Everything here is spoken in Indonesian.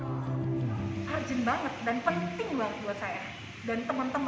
harjin banget dan penting banget buat saya